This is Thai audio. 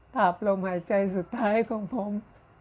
ภาพลมหายใจสุดท้ายของผม